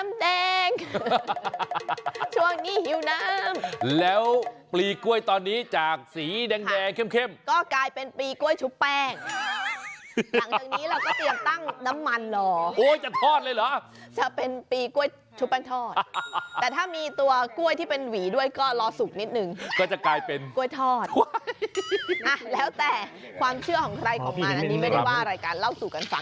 อ่ะแต่ดีฉันไม่เห็นอะไรเลย